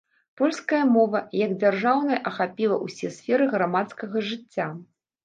Польская мова, як дзяржаўная ахапіла ўсе сферы грамадскага жыцця.